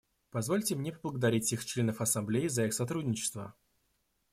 Позвольте мне поблагодарить всех членов Ассамблеи за их сотрудничество.